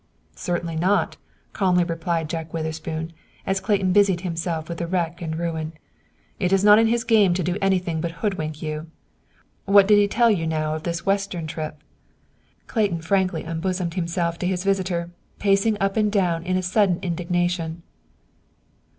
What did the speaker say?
"Certainly not," calmly replied Jack Witherspoon, as Clayton busied himself with the wreck and ruin. "It's not in his game to do anything but hoodwink you. What did he tell you now of this Western trip?" Clayton frankly unbosomed himself to his visitor, pacing up and down in a sudden indignation.